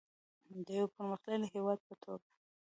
د یو پرمختللي هیواد په توګه.